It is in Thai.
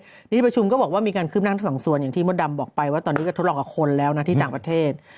วันนี้ที่ประชุมก็บอกว่ามีการคืบหน้าทั้งสองส่วนอย่างที่มดดำบอกไปว่าตอนนี้ก็ทดลองกับคนแล้วนะที่ต่างประเทศ